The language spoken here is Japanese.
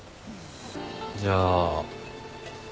じゃあ。